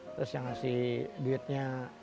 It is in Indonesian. terus yang ngasih duitnya